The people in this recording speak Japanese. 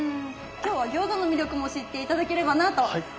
今日は餃子の魅力も知って頂ければなと思います。